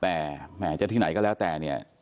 แต่แหมจะที่ไหนก็แล้วแต่เนี่ย